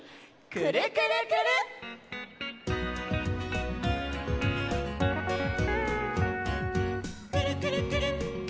「くるくるくるっくるくるくるっ」